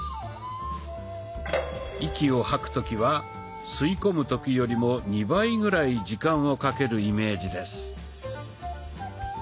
息を吐く時は吸い込む時よりも２倍ぐらい時間をかけるイメージです。